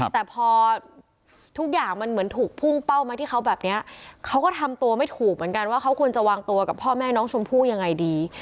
แต่พอทุกอย่างมันเหมือนถูกพุ่งเป้ามาที่เขาแบบนี้เขาก็ทำตัวไม่ถูกเหมือนกันว่าเขาควรจะวางตัวกับพ่อแม่น้องชมพู่ยังไงดี